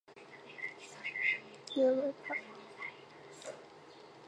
什叶派的法学家也认为取得监护人同意是必须的。